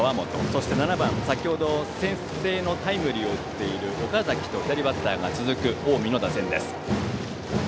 そして７番先程、先制のタイムリーを打っている岡崎と左バッターが続く近江の打線です。